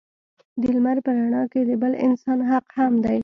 د لمر په رڼا کې د بل انسان حق هم دی.